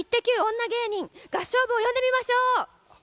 女芸人合唱部にいってみましょう。